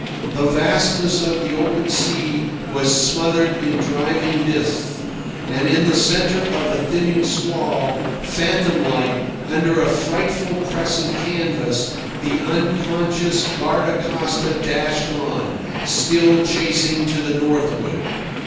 The vastness of the open sea was smothered in driving mists, and in the centre of the thinning squall, phantom like, under a frightful press of canvas, the unconscious guardacosta dashed on, still chasing to the northward.